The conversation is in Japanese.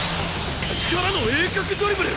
からの鋭角ドリブル！？